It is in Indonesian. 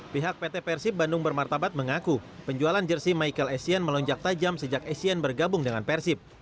pihak pt persib bandung bermartabat mengaku penjualan jersi michael essien melonjak tajam sejak essien bergabung dengan persib